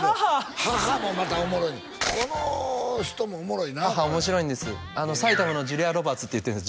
母もまたおもろいねんこの人もおもろいな母面白いんです埼玉のジュリア・ロバーツって言ってるんです